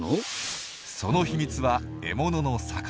その秘密は獲物の魚。